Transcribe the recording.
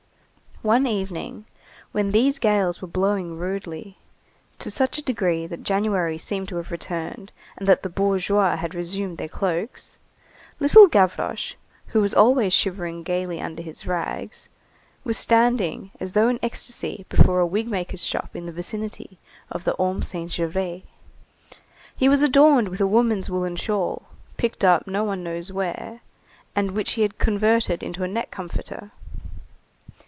One evening, when these gales were blowing rudely, to such a degree that January seemed to have returned and that the bourgeois had resumed their cloaks, Little Gavroche, who was always shivering gayly under his rags, was standing as though in ecstasy before a wig maker's shop in the vicinity of the Orme Saint Gervais. He was adorned with a woman's woollen shawl, picked up no one knows where, and which he had converted into a neck comforter.